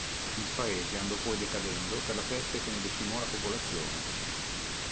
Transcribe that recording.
Il paese andò poi decadendo per la peste che ne decimò la popolazione.